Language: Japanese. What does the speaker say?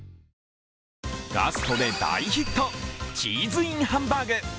ガストで大ヒットチーズＩＮハンバーグ。